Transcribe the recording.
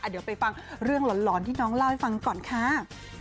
เดี๋ยวไปฟังเรื่องหลอนที่น้องเล่าให้ฟังก่อนค่ะ